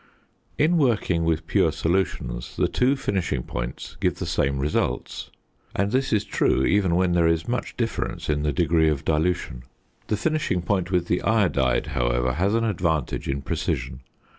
In working with pure solutions, the two finishing points give the same results; and this is true even when there is much difference in the degree of dilution. The finishing point with the iodide, however, has an advantage in precision.